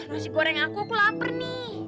nasi goreng aku aku lapar nih